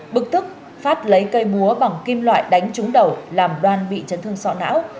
bực tức phát lấy cây búa bằng kim loại đánh trúng đầu làm đoan bị chấn thương sọ não